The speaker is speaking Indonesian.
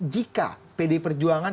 jika pdi perjuangan